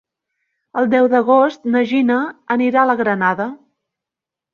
El deu d'agost na Gina anirà a la Granada.